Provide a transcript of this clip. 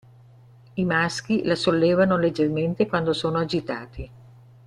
I maschi la sollevano leggermente quando sono agitati.